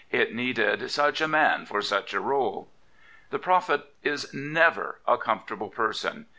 It needed such a man for such a rdle. The prophet is never a coitilortable per^pn.